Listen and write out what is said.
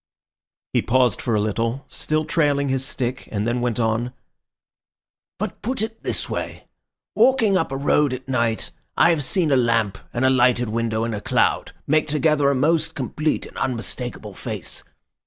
He paused for a little, still trailing his stick, and then went on— "But put it this way. Walking up a road at night, I have seen a lamp and a lighted window and a cloud make together a most complete and unmistakable face.